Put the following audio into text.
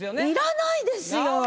いらないですよ。